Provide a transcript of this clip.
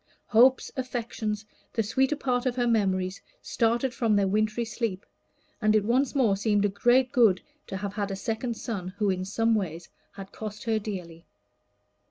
Hopes, affections, the sweeter part of her memories, started from their wintry sleep, and it once more seemed a great good to have had a second son who in some ways had cost her dearly.